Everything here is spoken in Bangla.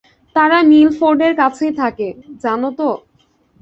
তারা মিলফোর্ডের কাছেই থাকে, জানো তো।